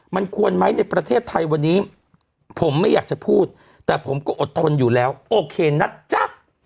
มันควรไหมในประเทศไทยวันนี้ผมไม่อยากจะพูดแต่ผมก็อดทนอยู่แล้วโอเคนะจ๊ะ